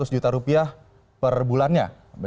seratus juta rupiah per bulannya